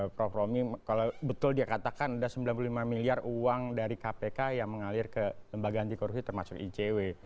prof romi kalau betul dia katakan ada sembilan puluh lima miliar uang dari kpk yang mengalir ke lembaga anti korupsi termasuk icw